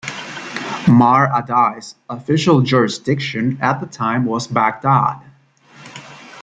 Mar Addai's official jurisdiction at the time was Baghdad.